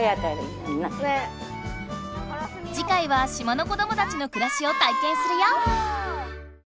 じかいは島の子どもたちのくらしを体験するよ！